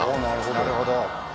なるほど。